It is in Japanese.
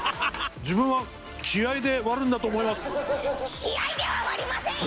自分は気合いで割るんだと思います！